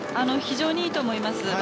非常にいいと思います。